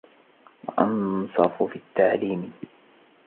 وَأَنْصَفُ فِي التَّعْلِيمِ